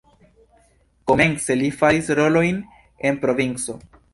Komence li faris rolojn en provinco.